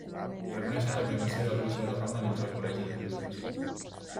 Reconeixen la primacia del bisbe de Roma dins el Col·legi de bisbes.